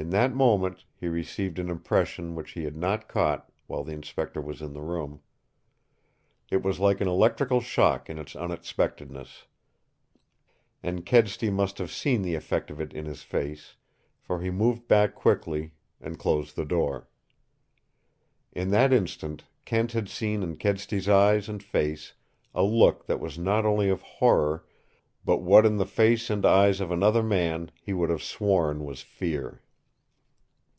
In that moment he received an impression which he had not caught while the Inspector was in the room. It was like an electrical shock in its unexpectedness, and Kedsty must have seen the effect of it in his face, for he moved back quickly and closed the door. In that instant Kent had seen in Kedsty's eyes and face a look that was not only of horror, but what in the face and eyes of another man he would have sworn was fear.